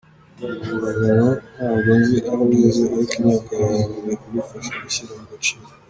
Rugano ntabwo nzi aho wize, ariko imyaka yawe yagombye kugufasha gushyira mu gaciro.